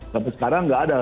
tapi sekarang tidak ada